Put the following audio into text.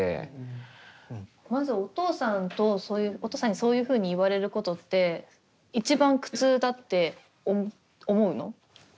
まずお父さんにそういうふうに言われることって一番苦痛だって思うの？